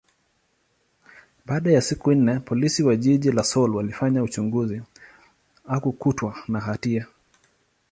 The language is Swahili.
baada ya siku nne, Polisi wa jiji la Seoul walifanya uchunguzi, hakukutwa na hatia.